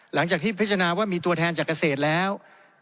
หลังจากที่พิจารณาว่ามีตัวแทนจากเกษตรแล้ว